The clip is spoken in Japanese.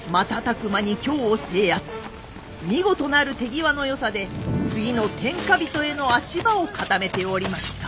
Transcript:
見事なる手際のよさで次の天下人への足場を固めておりました。